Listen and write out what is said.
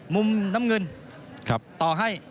มุมน้ำเงินต่อให้